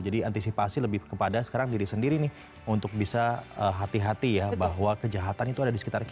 jadi antisipasi lebih kepada sekarang diri sendiri untuk bisa hati hati bahwa kejahatan itu ada di sekitar kita